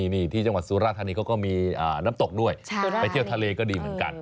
นี่ที่จังหวัดสุราธานีเขาก็มีน้ำตกด้วยไปเที่ยวทะเลก็ดีเหมือนกัน